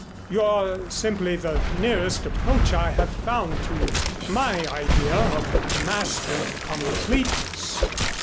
You're simply the nearest approach I have found to my idea of masculine completeness.